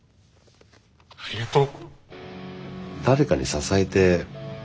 ありがとう。